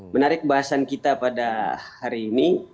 menarik bahasan kita pada hari ini